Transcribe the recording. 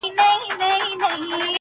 له هغو انسانانو مننه وکړي